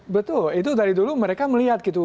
betul itu dari dulu mereka melihat gitu